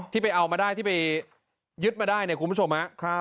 ที่ไปเอามาได้ที่ไปยึดมาได้เนี่ยคุณผู้ชมฮะ